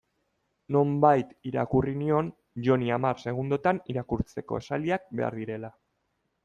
Nonbait irakurri nion Joni hamar segundotan irakurtzeko esaldiak behar direla.